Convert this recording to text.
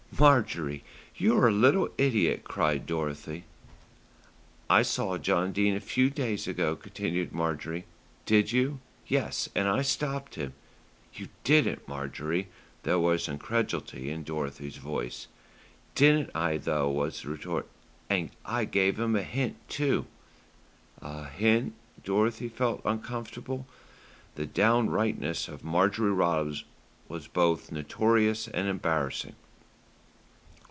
'" "Marjorie, you're a little idiot," cried Dorothy. "I saw John Dene a few days ago," continued Marjorie. "Did you?" "Yes, and I stopped him." "You didn't, Marjorie." There was incredulity in Dorothy's voice. "Didn't I, though," was the retort. "I gave him a hint, too." "A hint." Dorothy felt uncomfortable. The downrightness of Marjorie Rogers was both notorious and embarrassing.